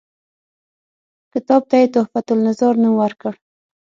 کتاب ته یې تحفته النظار نوم ورکړ.